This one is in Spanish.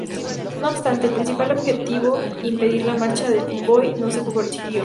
No obstante, el principal objetivo, impedir la marcha del convoy, no se consiguió.